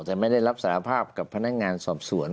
แต่ไม่ได้รับสารภาพกับพนักงานสอบสวน